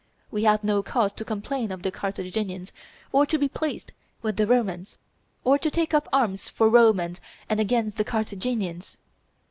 We have no cause to complain of the Carthaginians or to be pleased with the Romans, or to take up arms for the Romans and against the Carthaginians.